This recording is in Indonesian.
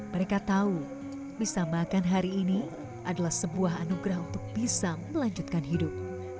mereka tahu bisa makan hari ini adalah sebuah anugerah untuk bisa melanjutkan hidup